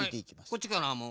こっちからも。